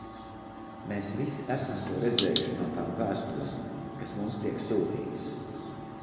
Mēs visi esam to redzējuši no tām vēstulēm, kas mums tiek sūtītas.